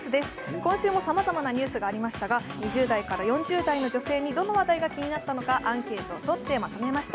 今週もさまざまなニュースがありましたが２０代から４０代の女性にどの話題が気になったのかアンケートをとってまとめました。